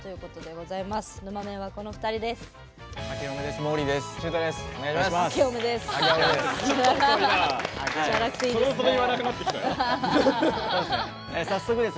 ぬまメンは、この２人です。